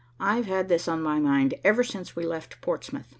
I've had this on my mind ever since we left Portsmouth.